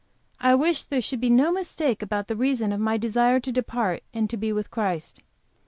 I wish there should be no mistake about the reason of my desire to depart and to be with Christ.